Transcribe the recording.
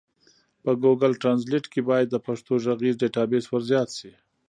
په ګوګل ټرانزلېټ کي بايد د پښتو ږغيز ډيټابيس ورزيات سي.